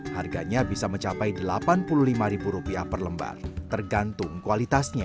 harganya bisa mencapai rp delapan puluh lima per lembar tergantung kualitasnya